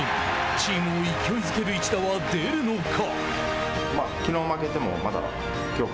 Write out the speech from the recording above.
チームを勢いづける一打は出るのか。